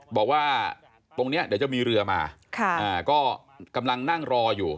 บอกว่าตรงนี้เดี๋ยวจะมีเรือมาก็กำลังนั่งรออยู่